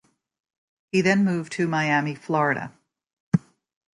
He then moved to Miami, Florida.